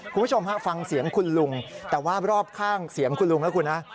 คุณผู้ชมฮะฟังเสียงคุณลุงแต่ว่ารอบข้างเสียงคุณลุงนะคุณฮะ